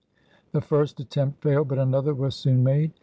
The first attempt failed, but another was soon made.